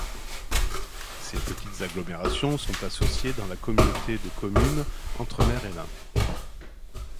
Ces petites agglomérations sont associées dans la communauté de communes Entre mer et lin.